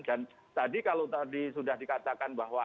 dan tadi kalau tadi sudah dikatakan bahwa